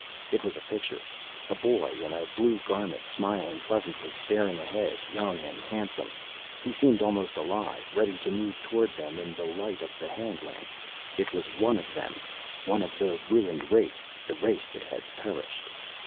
It was a picture. A boy in a blue garment, smiling pleasantly, staring ahead, young and handsome. He seemed almost alive, ready to move toward them in the light of the hand lamp. It was one of them, one of the ruined race, the race that had perished.